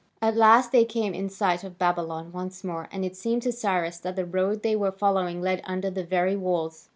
At last they came in sight of Babylon once more, and it seemed to Cyrus that the road they were following led under the very walls.